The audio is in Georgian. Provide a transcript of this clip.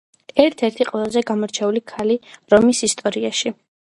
ერთ-ერთი ყველაზე გამოჩენილი ქალი რომის ისტორიაში.